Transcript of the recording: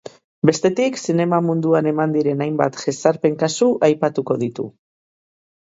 Bestetik, zinema munduan eman diren hainbat jazarpen kasu aipatuko ditu.